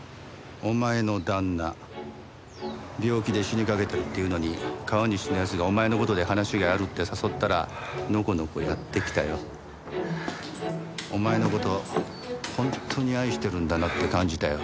お前の旦那病気で死にかけてるっていうのに川西の奴がお前の事で話があるって誘ったらのこのこやって来たよ。お前の事本当に愛してるんだなって感じたよ。